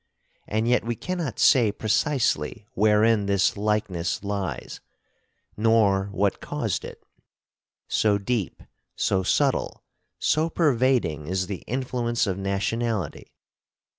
And yet we cannot say precisely wherein this likeness lies, nor what caused it; so deep, so subtle, so pervading is the influence of nationality.